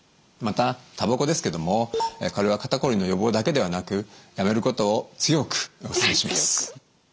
またたばこですけどもこれは肩こりの予防だけではなくやめることを強くお勧めします。